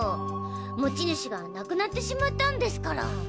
持ち主が亡くなってしまったんですから。